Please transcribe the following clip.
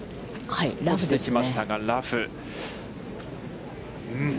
落ちてきましたが、ラフ。